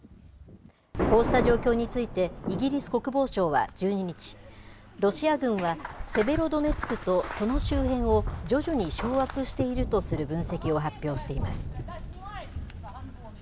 こうした状況について、イギリス国防省は１２日、ロシア軍はセベロドネツクとその周辺を徐々に掌握しているとする分析を発表しています。